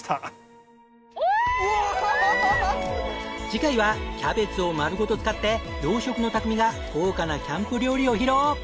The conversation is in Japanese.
次回はキャベツを丸ごと使って洋食の匠が豪華なキャンプ料理を披露！